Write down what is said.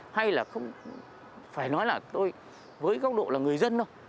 hay là không phải nói là tôi với góc độ là người dân đâu